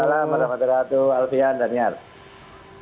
waalaikumsalam warahmatullahi wabarakatuh